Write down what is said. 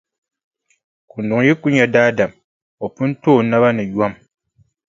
Kunduŋ yi kuli nya daadam, o pun to o naba ni yom.